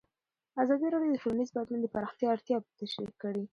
ازادي راډیو د ټولنیز بدلون د پراختیا اړتیاوې تشریح کړي.